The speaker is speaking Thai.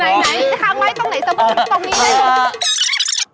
ข้างไล่ตรงไหนสะพอก